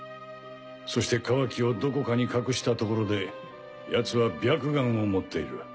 そしてカワキをどこかに隠したところでヤツは白眼を持っている。